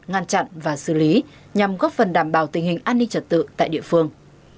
ngăn chặn và xử lý nhằm góp phần đảm bảo tình hình an ninh trật tự tại địa phương